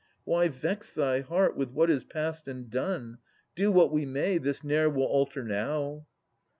Why vex thy heart with what is past and done ? Do what we may, this ne'er will alter now.